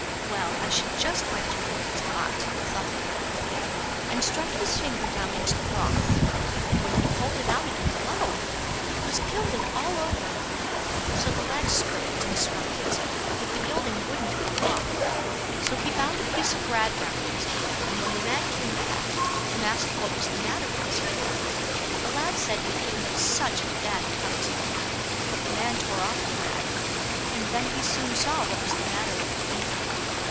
"Well, I should just like to know if it's hot," thought the lad, and struck his finger down into the broth, and when he pulled it out again, lo! it was gilded all over. So the lad scraped and scrubbed it, but the gilding wouldn't go off, so he bound a piece of rag round it; and when the man came back, and asked what was the matter with his finger, the lad said he'd given it such a bad cut. But the man tore off the rag, and then he soon saw what was the matter with the finger.